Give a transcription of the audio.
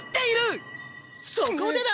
そこでだ！